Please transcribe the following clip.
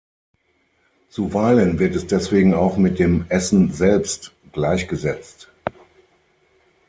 Zuweilen wird es deswegen auch mit dem Essen selbst gleichgesetzt.